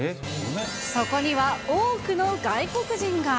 そこには多くの外国人が。